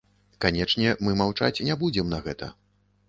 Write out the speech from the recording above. Канечне, мы маўчаць не будзем на гэта.